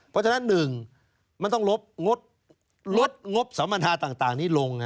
เพราะฉะนั้น๑มันต้องลดงบสัมมทาต่างนี้ลง